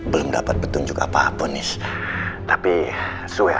harus beberapa hari lagi